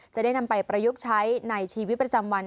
จะได้นำไปประยุกต์ใช้ในชีวิตประจำวัน